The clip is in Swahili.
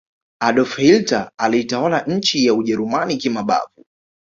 Adolf Hilter aliitawala nchi ya ujerumani kimabavu